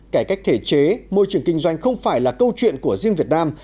cải cách thể chế môi trường kinh doanh không phải là câu chuyện của riêng việt nam